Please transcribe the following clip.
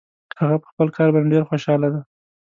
هغه په خپل کار باندې ډېر خوشحاله ده